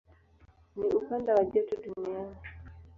Ni ukanda wa joto duniani.